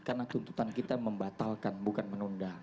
karena tuntutan kita membatalkan bukan menunda